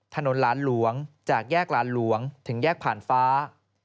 ถนนหลานหลวงจากแยกหลานหลวงถึงแยกผ่านฟ้า